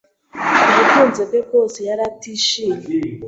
Kubutunzi bwe bwose, yari atishimye.